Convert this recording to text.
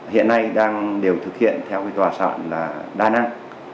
hiện nay đang đều thực hiện theo cái tòa soạn là đa năng